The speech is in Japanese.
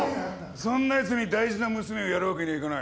そんな奴に大事な娘をやるわけにはいかない。